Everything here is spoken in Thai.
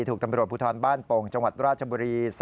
ถูกตำรวจภูทรบ้านโป่งจังหวัดราชบุรี